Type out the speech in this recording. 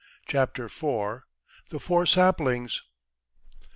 CHAPTER IV. THE FOUR SAPLINGS.